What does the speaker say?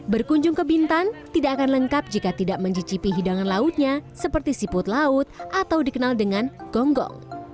berkunjung ke bintan tidak akan lengkap jika tidak mencicipi hidangan lautnya seperti siput laut atau dikenal dengan gonggong